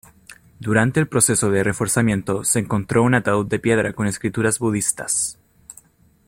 Durante el proceso de reforzamiento, se encontró un ataúd de piedra con escrituras budistas.